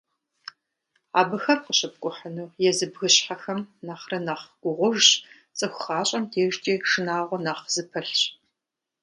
Абыхэм къыщыпкIухьыну езы бгыщхьэхэм нэхърэ нэхъ гугъужщ, цIыху гъащIэм дежкIи шынагъуэ нэхъ зыпылъщ.